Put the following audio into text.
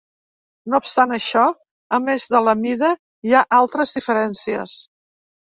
No obstant això, a més de la mida, hi ha altres diferències.